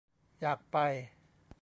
อยากไป